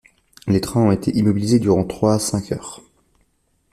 Les trains ont été immobilisés durant trois à cinq heures.